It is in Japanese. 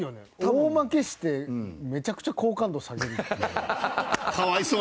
大負けしてめちゃくちゃ好感度下げるっていう。